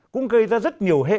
cũng gây ra rất nhiều hệ